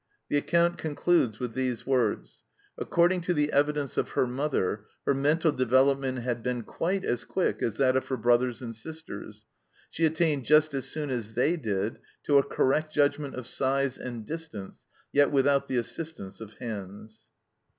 The account concludes with these words: "According to the evidence of her mother, her mental development had been quite as quick as that of her brothers and sisters; she attained just as soon as they did to a correct judgment of size and distance, yet without the assistance of hands.